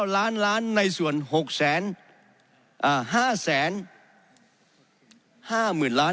๑๙ล้านล้านในส่วน๕แสน๕หมื่นล้าน